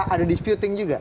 ada disputing juga